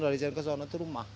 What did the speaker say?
dari sini ke sono itu rumah